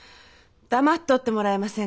黙っとってもらえませんか？